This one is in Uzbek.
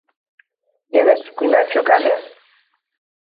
Yana sukunat cho‘kadi.